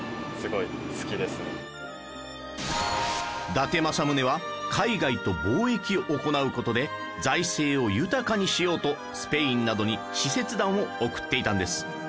伊達政宗は海外と貿易を行う事で財政を豊かにしようとスペインなどに使節団を送っていたんです